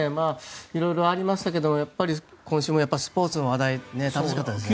色々ありましたけど今週もスポーツの話題楽しかったですね。